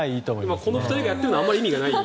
今、この２人がやっているのはあまり意味がない。